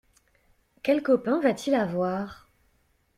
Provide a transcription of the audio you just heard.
Quels copains va-t-il avoir?